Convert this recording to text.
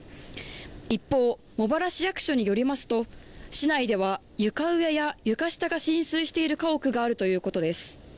一方、茂原市役所によりますと市内では床上や床下が浸水している家屋があるということです